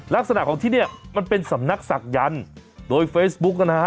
ลักษณะของที่เนี่ยมันเป็นสำนักศักยันต์โดยเฟซบุ๊กนะฮะ